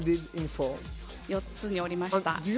４つに折りました。